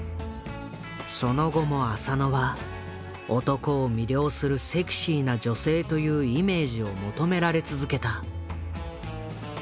その後も浅野は男を魅了するセクシーな女性というイメージを求められ続けた。